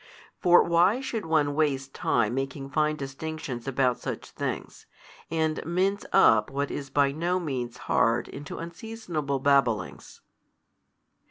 For why should one waste time making fine distinctions about such things, and mince up what is by no means hard into unseasonable babblings?